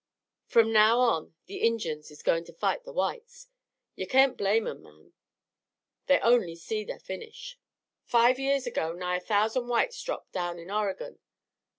From now on the Injuns is goin' to fight the whites. Ye kain't blame 'em, ma'am; they only see their finish. "Five years ago nigh a thousand whites drops down in Oregon.